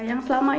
yang selama ini